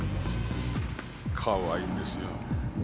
かわいいんですよ。